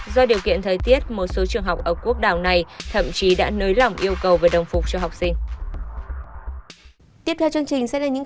do điều kiện thời tiết một số trường học ở quốc đảo này thậm chí đã nới lỏng yêu cầu về đồng phục cho học sinh